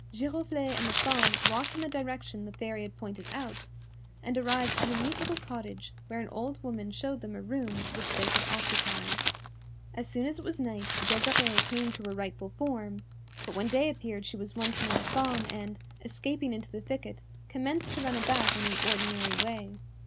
Giroflée and the Fawn walked in the direction the Fairy had pointed out, and arrived at a neat little cottage where an old woman showed them a room which they could occupy. As soon as it was night Desirée came to her rightful form, but when day appeared she was once more a Fawn and, escaping into the thicket, commenced to run about in the ordinary way.